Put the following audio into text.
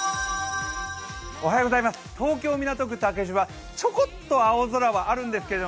東京・港区竹芝、ちょこっと青空はあるんですけど